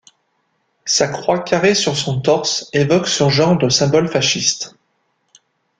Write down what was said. Sa croix carrée sur son torse évoque ce genre de symbole fasciste.